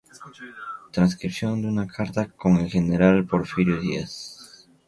Transcripción de una carta con el General Porfirio Díaz.